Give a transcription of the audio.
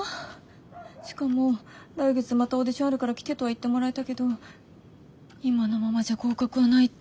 しかも来月またオーディションあるから来てとは言ってもらえたけど今のままじゃ合格はないって。